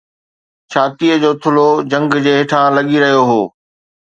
ڇاتيءَ جو ٿلهو جهنگ جي هيٺان لڳي رهيو هو